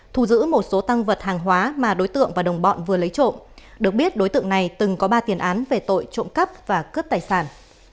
thu giữ một số tăng vật hàng hóa mà đối tượng và đồng bọn vừa lấy trộm được biết đối tượng này từng có ba tiền án về tội trộm cắp và cướp tài sản